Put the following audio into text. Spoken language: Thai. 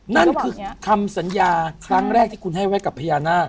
นั่นคือคำสัญญาครั้งแรกที่คุณให้ไว้กับพญานาค